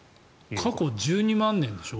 過去１２万年でしょ？